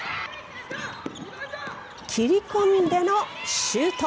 切り込んでのシュート。